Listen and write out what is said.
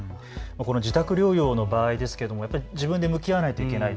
自宅療養の場合ですけども自分で向き合わないといけない。